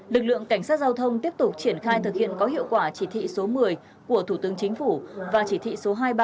lực lượng cảnh sát giao thông tiếp tục triển khai thực hiện có hiệu quả chỉ thị số một mươi của thủ tướng chính phủ và chỉ thị số hai mươi ba